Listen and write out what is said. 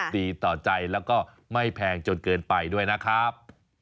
ดีต่อใจแล้วก็ไม่แพงจนเกินไปด้วยนะครับ